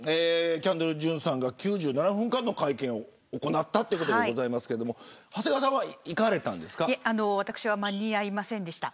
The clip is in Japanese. キャンドル・ジュンさんが９７分間の会見を行ったということですが私は間に合いませんでした。